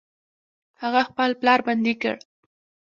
هغه خپل پلار بندي کړ.